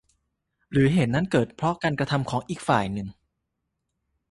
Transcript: หรือเหตุนั้นเกิดเพราะการกระทำของอีกฝ่ายหนึ่ง